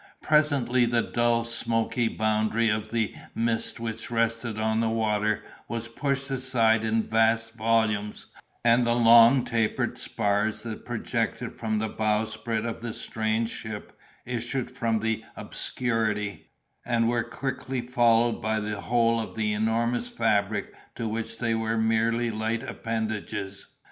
Presently the dull, smoky boundary of the mist which rested on the water was pushed aside in vast volumes, and the long taper spars that projected from the bowsprit of the strange ship issued from the obscurity, and were quickly followed by the whole of the enormous fabric to which they were merely light appendages.